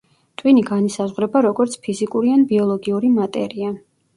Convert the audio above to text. ტვინი განისაზღვრება როგორც ფიზიკური ან ბიოლოგიური მატერია.